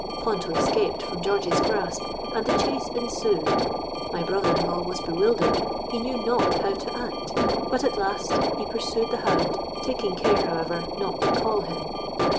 Ponto escaped from George's grasp, and the chase ensued. My brother in law was bewildered—he knew not how to act; but at last he pursued the hound, taking care, however, not to call him.